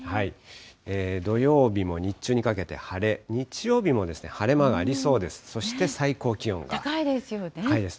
土曜日も日中にかけて晴れ、日曜日も晴れ間がありそうです。